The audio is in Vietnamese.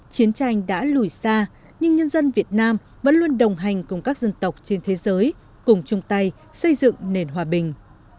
chiến tranh đã lùi xa nhưng nhân dân việt nam vẫn luôn đồng hành cùng các dân tộc trên thế giới cùng chung tay xây dựng nền hòa bình